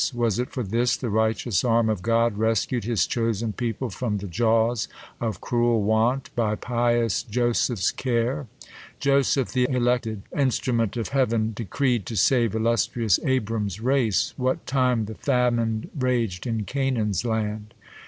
Was it for this the righteous arm of God Rcscu'd his chosen people from the jaws Of cruel want, by pious Joseph's care ? Joseph, th' elected instrum.ent.of Heav'n, Decreed to save illustrious Abram's race, What time the famine rag'd in Canaan's land.